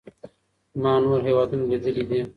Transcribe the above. ما نور هیوادونه لیدلي دي.